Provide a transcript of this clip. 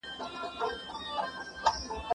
هغه وويل چي کتابتوني کار ضروري دي،